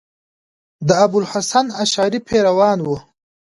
د ابو الحسن اشعري پیروان وو.